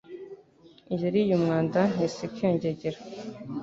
Yariye umwanda ntiseka iyo ngegera